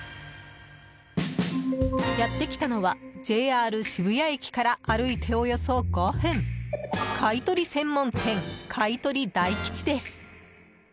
やってきたのはＪＲ渋谷駅から歩いておよそ５分買い取り専門店、買取大吉です。